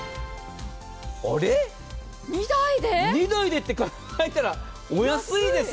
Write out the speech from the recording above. あれ、２台って考えたらお安いですよ。